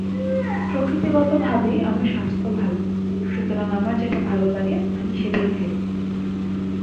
প্রকৃতিগতভাবেই আমার স্বাস্থ্য ভালো, সুতরাং আমার যেটা ভালো লাগে আমি সেটাই খাই।